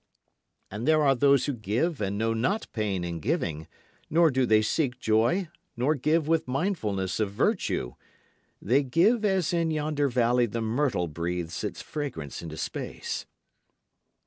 And there are those who give and know not pain in giving, nor do they seek joy, nor give with mindfulness of virtue; They give as in yonder valley the myrtle breathes its fragrance into space.